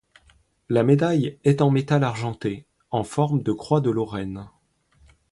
La médaille est en métal argenté, en forme de croix de Lorraine.